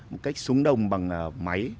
một cách súng đồng bằng máy